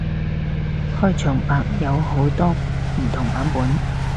開場白有好多唔同版本